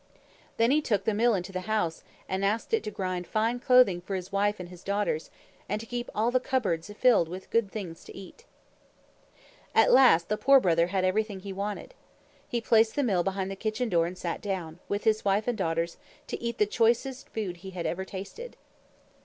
Then he took the Mill into the house and asked it to grind fine clothing for his wife and his daughters, and to keep all the cupboards filled with good things to eat. At last the Poor Brother had everything that he wanted. He placed the Mill behind the kitchen door and sat down, with his wife and daughters, to eat the choicest food he had ever tasted.